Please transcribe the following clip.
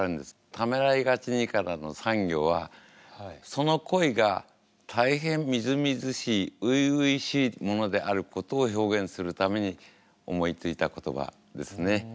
「ためらいがちに」からの３行はその恋が大変みずみずしい初々しいものであることを表現するために思いついた言葉ですね。